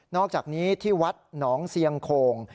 อกจากนี้ที่วัดหนองเซียงโข่ง